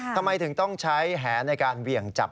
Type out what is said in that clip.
ทำไมถึงต้องใช้แหในการเหวี่ยงจับ